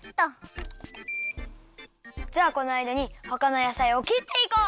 じゃあこのあいだにほかのやさいを切っていこう！